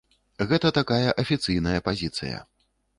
Гэта такая афіцыйная пазіцыя.